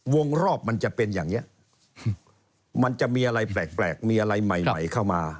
วงรอบมันจะเป็นอย่างนี้มันจะมีอะไรแปลกมีอะไรใหม่ใหม่เข้ามา